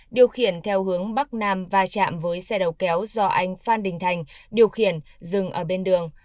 điều khiển theo hướng bắc nam va chạm với xe đầu kéo do anh phan đình thành điều khiển dừng ở bên đường